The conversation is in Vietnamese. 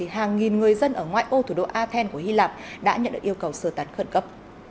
hàng nghìn người dân ở ngoại ô thủ đô athen của hy lạp đã nhận được yêu cầu sơ tán khẩn cấp